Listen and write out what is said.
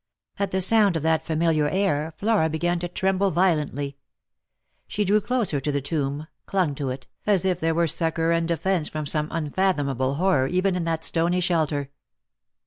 At the sound of that familiar air, Flora began to tremble violently. She drew closer to the tomb, clung to it, as if there were succour and defence from some unfathomable horror even in that stony shelter.